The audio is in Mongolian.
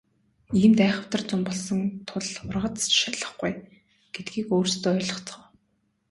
Иймд айхавтар зун болсон тул ургац ч шалихгүй гэдгийг өөрсдөө ойлгоцгоо.